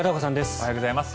おはようございます。